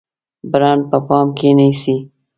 برانډ په پام کې نیسئ؟